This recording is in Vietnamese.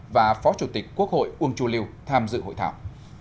và phó chủ tịch quốc hội uông chu liêu tham dự hội thảo